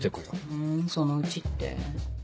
ふんそのうちって？